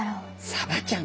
サバちゃん。